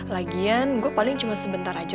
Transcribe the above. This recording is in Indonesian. lagian gue paling cuma sebentar aja